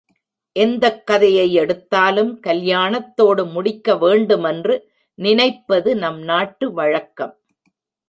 எந்தக் கதையை எடுத்தாலும் கல்யாணத்தோடு முடிக்க வேண்டுமென்று நினைப்பது நம் நாட்டு வழக்கம்.